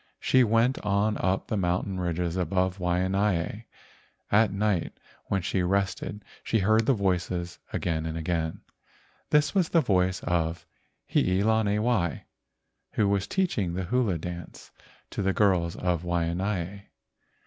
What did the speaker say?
She went on up the mountain ridges above Waianae. At night when she rested she heard the voices again and again. This was the voice of Hii lani wai, who was teaching the hula dance to the THE MAID OF THE GOLDEN CLOUD 137 girls of Waianae.